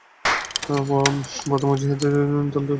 প্রথম মুহাজিরদের দলটি হাবশায় চলে গেলেন।